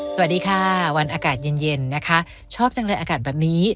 สวัสดีค่ะวันอากาศเย็นเย็นนะคะชอบจังเลยอากาศแบบนี้